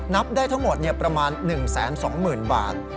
นับได้ทั้งหมดเนี่ยประมาณ๑แสน๒หมื่นบาท